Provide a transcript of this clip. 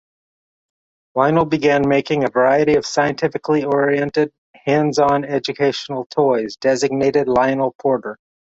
Lionel began making a variety of scientifically oriented, hands-on educational toys, designated Lionel-Porter.